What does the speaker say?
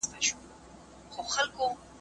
نور بيا په دې اند دي چې سياسي قدرت اصلي تمرکز دی.